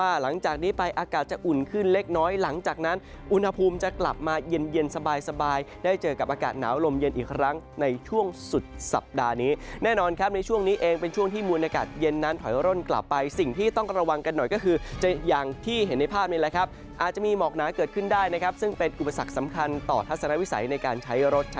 อาจจะอุ่นขึ้นเล็กน้อยหลังจากนั้นอุณหภูมิจะกลับมาเย็นเย็นสบายสบายได้เจอกับอากาศหนาวลมเย็นอีกครั้งในช่วงสุดสัปดาห์นี้แน่นอนครับในช่วงนี้เองเป็นช่วงที่มุมอากาศเย็นนั้นถอยร่นกลับไปสิ่งที่ต้องกระวังกันหน่อยก็คืออย่างที่เห็นในภาพนี้แหละครับอาจจะมีหมอกหนาเกิดขึ้นได้นะ